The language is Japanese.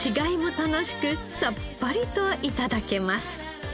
楽しくさっぱりと頂けます。